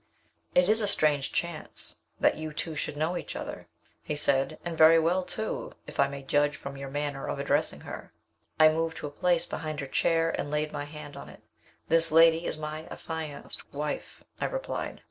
"It is a strange chance that you two should know each other," he said, "and very well, too, if I may judge from your manner of addressing her?" I moved to a place behind her chair, and laid my hand on it. "This lady is my affianced wife," I replied.